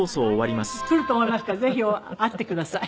来年来ると思いますからぜひ会ってください。